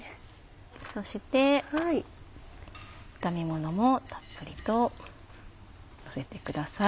そして炒め物もたっぷりとのせてください。